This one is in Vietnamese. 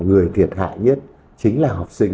người thiệt hại nhất chính là học sinh